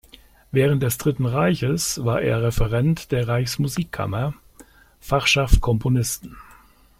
Während des Dritten Reiches war er Referent der Reichsmusikkammer, Fachschaft Komponisten.